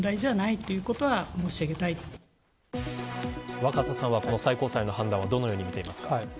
若狭さんは、この最高裁の判断どのように見ていますか。